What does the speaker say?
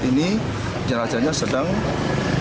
kemudian terjadi penggoyokan sehingga anggota kami korban penusukan